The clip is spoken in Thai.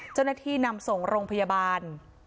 เจ้าหน้าที่นำส่งโรงพยาบาล